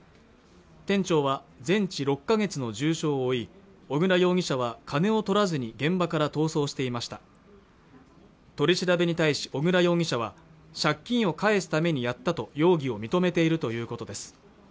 店長は全治６か月の重傷を負い小椋容疑者は金をとらずに現場から逃走していました取り調べに対し小椋容疑者は借金を返すためにやったと容疑を認めているということです